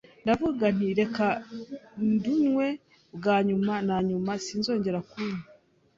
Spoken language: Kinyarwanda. ndavuga nti reka ndunywe bwa nyuma nanyuma sinzongera kurunywa